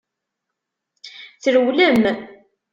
Trewlem.